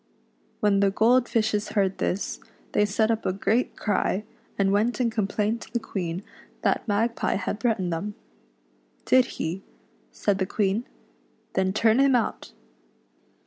When the gold fishes heard this, they set up a great cry, and went and complained to the Queen that Mag pie had threatened them. " Did he ?" said the Queen ;" then turn him out."